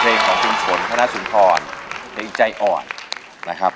เพลงของชุมฝนคณะชุมฝนเพลงใจอ่อนนะครับ